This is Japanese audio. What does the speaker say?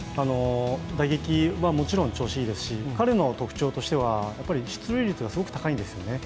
打撃はもちろん調子いいですし彼の特徴としては、出塁率がすごく高いんですね。